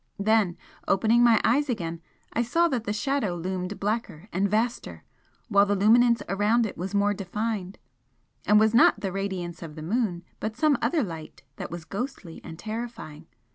Then, opening my eyes again, I saw that the Shadow loomed blacker and vaster while the luminance around it was more defined, and was not the radiance of the moon, but some other light that was ghostly and terrifying.